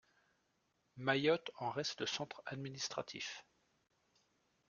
Mayotte en reste le centre administratif.